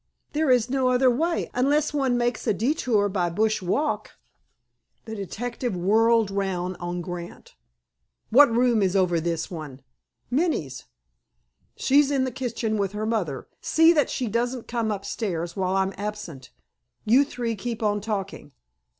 "There is no other way, unless one makes a detour by Bush Walk." The detective whirled round on Grant. "What room is over this one?" "Minnie's." "She's in the kitchen, with her mother. See that she doesn't come upstairs while I'm absent. You three keep on talking."